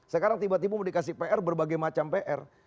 sekarang tiba tiba mau dikasih pr berbagai macam pr